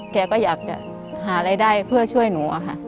แกก็อยากจะหารายได้เพื่อช่วยหนูอะค่ะ